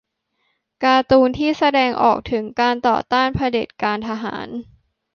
การ์ตูนที่แสดงออกถึงการต่อต้านเผด็จการทหาร